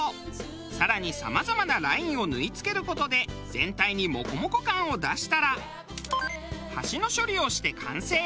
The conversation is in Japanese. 更にさまざまなラインを縫い付ける事で全体にモコモコ感を出したら端の処理をして完成。